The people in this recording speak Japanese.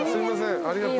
ありがとう。